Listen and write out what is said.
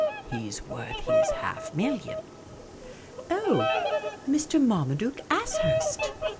He 's worth his half million." " Oh, Mr. Marmaduke Ashurst."